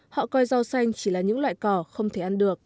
họ coi rau xanh chỉ là những loại cỏ không thể ăn được